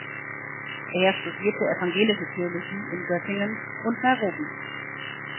Er studierte evangelische Theologie in Göttingen und Nairobi.